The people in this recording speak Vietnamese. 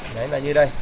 đấy là như đây